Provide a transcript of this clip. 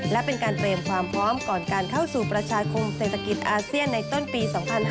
และเป็นการเตรียมความพร้อมก่อนการเข้าสู่ประชาคมเศรษฐกิจอาเซียนในต้นปี๒๕๕๙